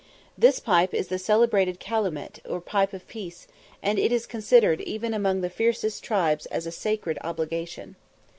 ] This pipe is the celebrated calumet, or pipe of peace, and it is considered even among the fiercest tribes as a sacred obligation.